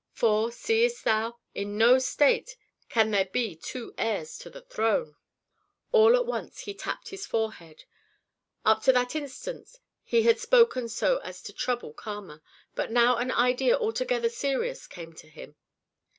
For, seest thou, in no state can there be two heirs to the throne." All at once he tapped his forehead. Up to that instant he had spoken so as to trouble Kama, but now an idea altogether serious came to him.